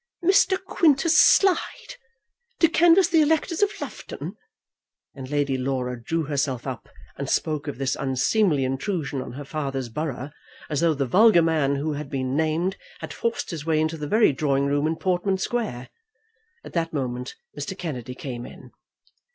"Mr. Quintus Slide! To canvass the electors of Loughton!" and Lady Laura drew herself up and spoke of this unseemly intrusion on her father's borough, as though the vulgar man who had been named had forced his way into the very drawing room in Portman Square. At that moment Mr. Kennedy came in.